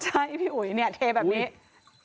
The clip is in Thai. ใช่พี่อุ๋ยเนี่ยเทแบบนี้